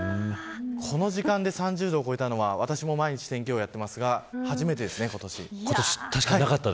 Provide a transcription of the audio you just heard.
この時間で３０度を超えたのは私も毎日天気予報をやっていますが今年初めてです。